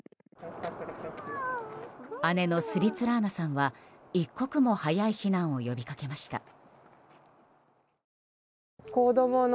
姉のスビツラーナさんは一刻も早い避難を呼びかけました。